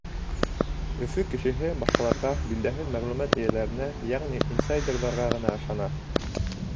Өфө кешеһе башҡаларға билдәһеҙ мәғлүмәт эйәләренә, йәғни инсайдерҙарға ғына ышана.